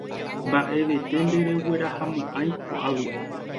Mbaʼevete ndereguerahamoʼãi koʼágui.